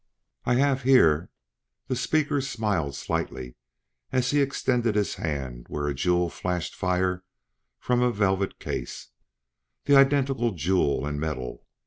"I have here" the speaker smiled slightly as he extended his hand where a jewel flashed fire from a velvet case "the identical jewel and medal.